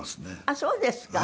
あっそうですか。